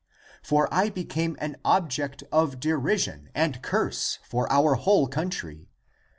For I became an object of derision and curse for our whole country.